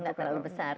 nggak terlalu besar